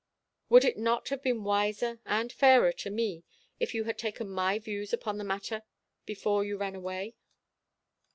"Would it not have been wiser, and fairer to me, if you had taken my views upon the matter before you ran away?"